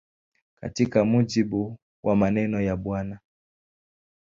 Katika mujibu wa maneno ya Bw.